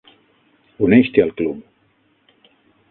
Uneix-te al club.